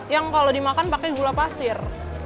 yang kalau dimakan pakai gula pasir